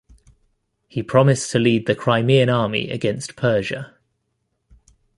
He promised to lead the Crimean army against Persia.